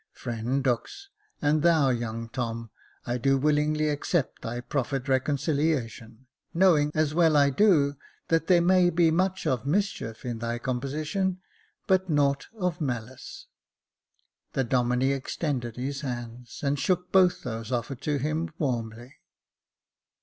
*' Friend Dux, and thou young Tom, I do willingly accept thy proffered reconciliation ; knowing, as I well do, that there may be much mischief in thy composition, but naught of malice." The Domine extended his hands, and shook both those offered to him warmly.